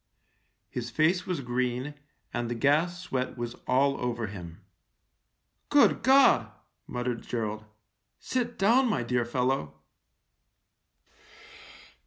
His face was green, and the gas sweat was all over him. "Good God!" muttered Gerald. "Sit down, my dear fellow."